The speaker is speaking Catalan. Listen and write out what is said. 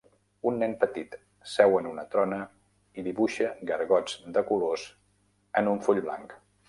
Un nen petit seu en una trona i dibuixa gargots de colors en un full blanc.